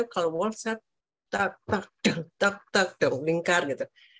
kalau wals itu lingkar gitu